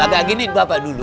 agak gini bapak dulu